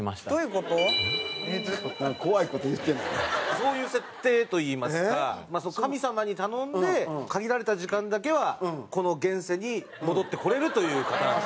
そういう設定といいますか神様に頼んで限られた時間だけはこの現世に戻ってこれるという方なんですね。